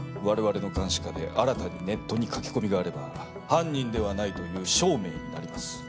我々の監視下で新たにネットに書き込みがあれば犯人ではないという証明になります。